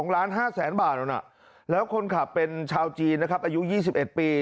๔๒๕ล้านบาทแล้วคนขับเป็นชาวจีนอายุ๒๑ปี